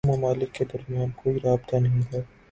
دو ممالک کے درمیان کوئی رابطہ نہیں ہے۔